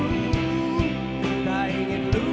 melepasmu dari hidupku